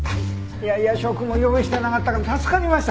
いや夜食も用意してなかったから助かりました。